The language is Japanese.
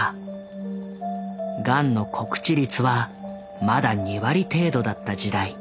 ガンの告知率はまだ２割程度だった時代。